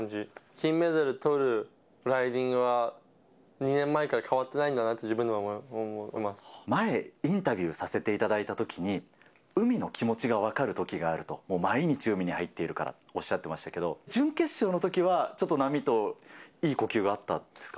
金メダルとるライディングは２年前から変わってないんだなって自前、インタビューさせていただいたときに、海の気持ちが分かるときがあると、毎日、海に入っているからとおっしゃってましたけど、準決勝のときはちょっと波といい呼吸があったんですか？